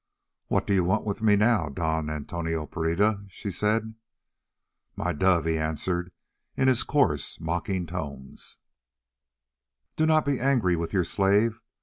"What do you want with me now, Dom Antonio Pereira?" she said. "My dove," he answered in his coarse, mocking tones, "do not be angry with your slave.